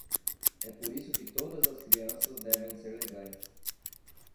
É por isso que todas as crianças devem ser legais.